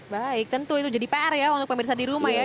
baik tentu itu jadi pr ya untuk pemirsa di rumah ya